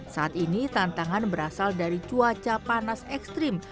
saat ini tantangan berasal dari cuaca panas ekstrim